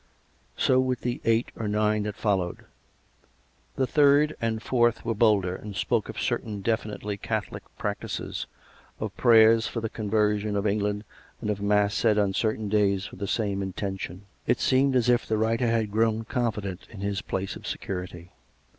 So with the eight or nine that followed. The third and fourth were bolder, and srpoke of certain definitely Catholic practices — of prayers for the conversion of England, and of mass said on certain days for the same intention. It seemed as if the writer had grown confident in his place of security.